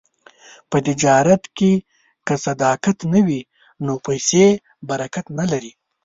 په تجارت کې که صداقت نه وي، نو پیسې برکت نه لري.